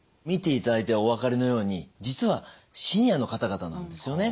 見ていただいてお分かりのように実はシニアの方々なんですよね。